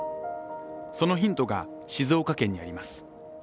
そのヒントが静岡県にあります。